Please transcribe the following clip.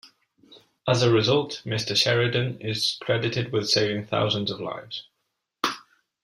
As a result, Mr Sheridan is credited with saving thousands of lives.